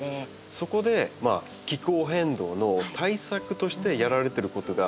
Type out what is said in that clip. そこで気候変動の対策としてやられてることがあるんですね？